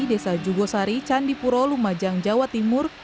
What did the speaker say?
desa jugosari candipuro lumajang jawa timur